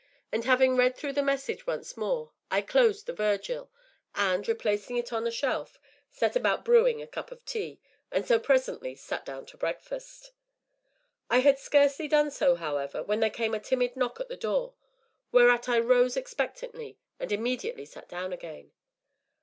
And having read through the message once more, I closed the Virgil, and, replacing it on the shelf, set about brewing a cup of tea, and so presently sat down to breakfast. I had scarcely done so, however, when there came a timid knock at the door, whereat I rose expectantly, and immediately sat down again.